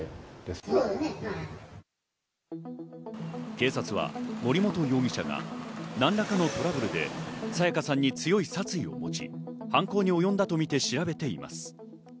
警察は森本容疑者が何らかのトラブルで彩加さんに強い殺意を持ち、犯行におよんだとみて調べています。